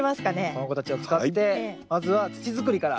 この子たちを使ってまずは土作りから。